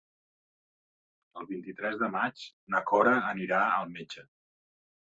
El vint-i-tres de maig na Cora anirà al metge.